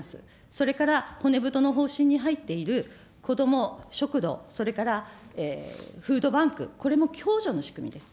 それから骨太の方針に入っているこども食堂、それからフードバンク、これも共助の仕組みです。